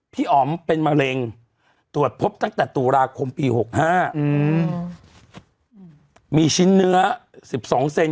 อ๋อมเป็นมะเร็งตรวจพบตั้งแต่ตุลาคมปีหกห้าอืมมีชิ้นเนื้อสิบสองเซน